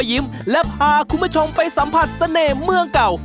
ยิ้มและพาคุณผู้ชมไปสัมผัสเสน่ห์เมืองเก่า